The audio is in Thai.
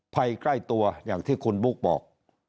ภัยใกล้ตัวอย่างที่คุณบุ๊กบอก